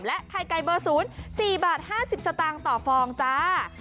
ไข่ไก่เบอร์๐๔บาท๕๐สตางค์ต่อฟองจ้า